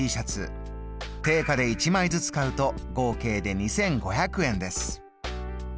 定価で一枚ずつ買うと合計で２５００円です。